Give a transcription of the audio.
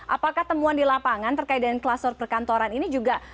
apakah temuan di lapangan terkait dengan kluster perkantoran ini juga